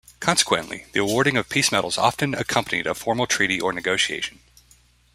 Consequently, the awarding of peace medals often accompanied a formal treaty or negotiation.